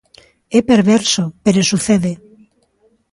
É perverso, pero sucede.